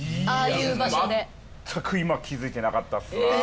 いや全く今気付いてなかったっすなぁ